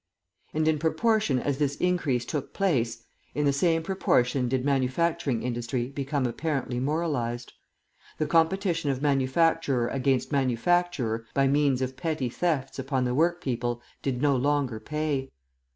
And in proportion as this increase took place, in the same proportion did manufacturing industry become apparently moralised. The competition of manufacturer against manufacturer by means of petty thefts upon the workpeople did no longer pay.